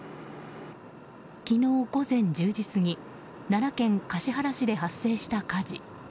昨日午前１０時過ぎ奈良県橿原市で発生した火事。